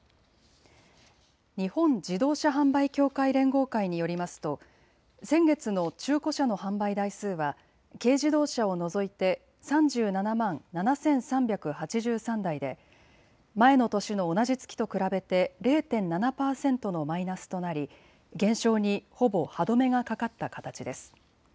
日本自動車販売協会連合会によりますと先月の中古車の販売台数は軽自動車を除いて３７万７３８３台で前の年の同じ月と比べて０．７％のマイナスとなり減少にほぼ歯止めがかかった形です。